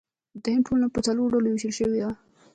د هند ټولنه په څلورو ډلو ویشل شوې وه.